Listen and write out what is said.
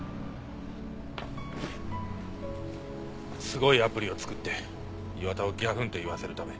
すごいアプリを作って磐田をギャフンと言わせるため。